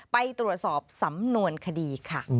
ไปตรวจสอบสำนวนคดีค่ะ